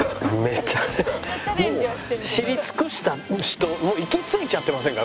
もう知り尽くした人のもう行き着いちゃってませんか？